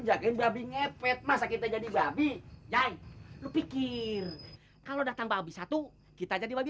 jagain babi ngepet masa kita jadi babi ya pikir kalau datang babi satu kita jadi bagi